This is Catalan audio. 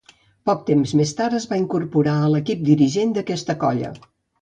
Poc temps més tard es va incorporar a l'equip dirigent d'aquesta colla.